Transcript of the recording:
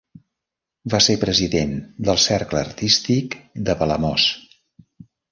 Va ser president del Cercle Artístic de Palamós.